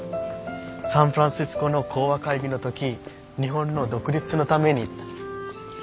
サンフランシスコの講和会議の時日本の独立のために言った。